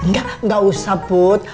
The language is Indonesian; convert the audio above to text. enggak enggak usah bud